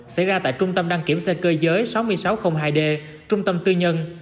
xảy ra tại trung tâm đăng kiểm xe cơ giới sáu nghìn sáu trăm linh hai d trung tâm tư nhân